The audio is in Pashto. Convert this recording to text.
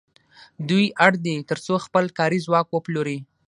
دوی اړ دي تر څو خپل کاري ځواک وپلوري